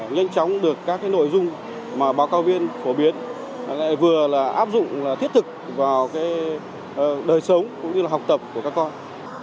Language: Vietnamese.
nhanh chóng được các nội dung mà báo cáo viên phổ biến vừa áp dụng thiết thực vào đời sống cũng như học tập của các con